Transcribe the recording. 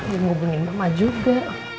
lu ngubungin mama juga